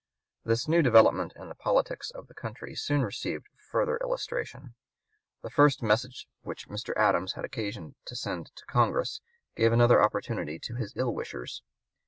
This new development in the politics of the country soon received further illustration. The first message which Mr. Adams had occasion to send to Congress gave another opportunity to his ill wishers.